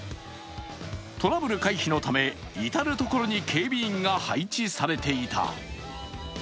トラブル回避のため、至る所に警備員が配置されていた。